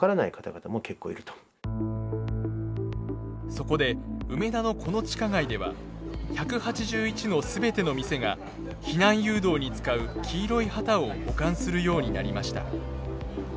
そこで梅田のこの地下街では１８１の全ての店が避難誘導に使う黄色い旗を保管するようになりました。